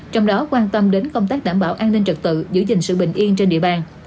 trong đó quan tâm đến công tác đảm bảo an ninh trật tự giữ gìn sự bình yên trên địa bàn